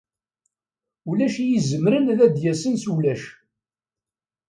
Ulac i izemren ad d-yassen s wulac.